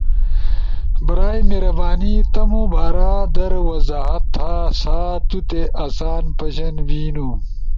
برائے مہربانی تمو بارا در وضاحت تھا سا تو تے آسان پشن بینو۔